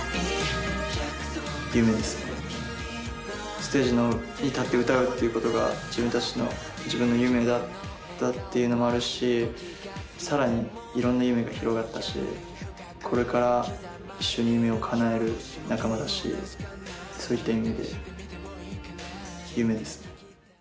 ステージに立って歌うっていうことが自分たちの自分の夢だったっていうのもあるし更にいろんな夢が広がったしこれから一緒に夢をかなえる仲間だしそういった意味で夢ですね。